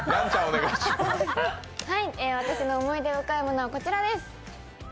私の思い出深いものはこちらです。